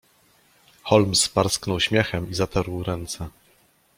"Holmes parsknął śmiechem i zatarł ręce."